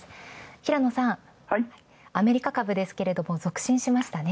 平野さん、アメリカ株ですけれども続伸しましたね。